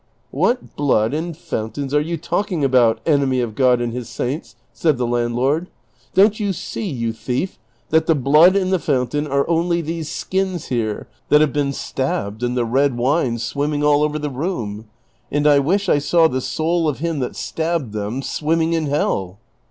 " ^Vhat blood and fountains are you talking about, enemy of God and his saints ?" said the landlord. " Don't you see, you thief, that the blood and the fountain are only these skins here that have been stabbed and the red wine swimming all over the roona ?— and I wish I saw the soul of him that stabbed them swimming in hell."